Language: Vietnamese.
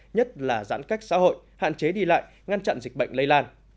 nhất là giãn cách xã hội hạn chế đi lại ngăn chặn dịch bệnh lây lan